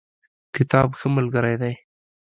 کتاب ښه ملګری دی.